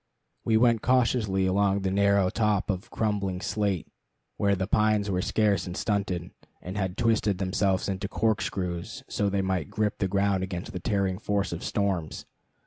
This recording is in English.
We went cautiously along the narrow top of crumbling slate, where the pines were scarce and stunted, and had twisted themselves into corkscrews so they might grip the ground against the tearing force of storms.